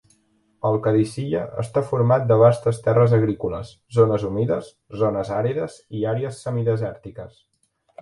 Al-Qadisiyah està format de vastes terres agrícoles, zones humides, zones àrides i àrees semidesèrtiques.